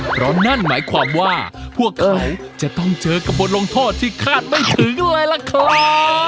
เพราะนั่นหมายความว่าพวกเอ๋ยจะต้องเจอกับบทลงโทษที่คาดไม่ถึงเลยล่ะครับ